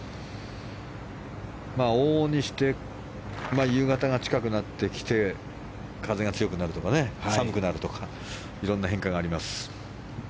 往々にして夕方が近くなってきて風が強くなるとか寒くなるとかいろんな変化があります。